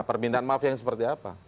permintaan maaf yang seperti apa